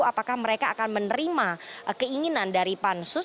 apakah mereka akan menerima keinginan dari pansus